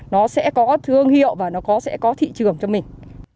nó sẽ có thương hiệu và nó sẽ có thị trường cho mình